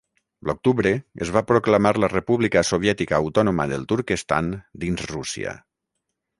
L'octubre es va proclamar la República Soviètica Autònoma del Turquestan dins Rússia.